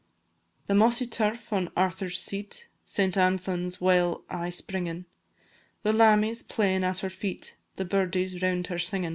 The mossy turf on Arthur's Seat, St Anthon's well aye springin'; The lammies playing at her feet, The birdies round her singin'.